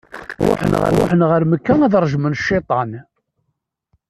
Ruḥen ɣer Mekka ad rejmen cciṭan.